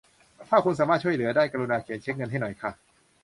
ถ้าคุณสามารถช่วยเหลือได้ กรุณาเขียนเช็คเงินให้หน่อยค่ะ